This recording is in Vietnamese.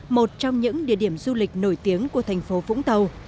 một trong những địa điểm du lịch nổi tiếng của thành phố vũng tàu